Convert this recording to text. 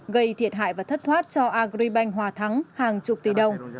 gây thiệt hại và thất thoát cho agribank hòa thắng hàng chục tỷ đồng